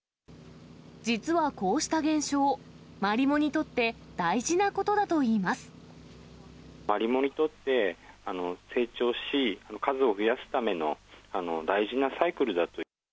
実はこうした現象、マリモにマリモにとって、成長し、数を増やすための大事なサイクルだと。